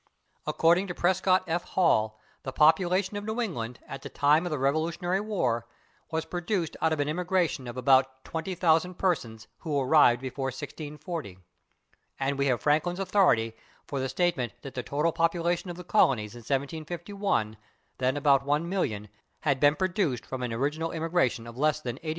According to Prescott F. Hall, "the population of New England ... at the date of the Revolutionary War ... was produced out of an immigration of about 20,000 persons /who arrived before 1640/," and we have Franklin's authority for the statement that the total population of the colonies in 1751, then about 1,000,000, had been [Pg055] produced from an original immigration of less than 80,000.